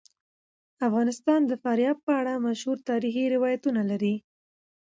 افغانستان د فاریاب په اړه مشهور تاریخی روایتونه لري.